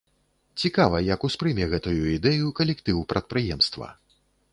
Цікава, як успрыме гэтую ідэю калектыў прадпрыемства?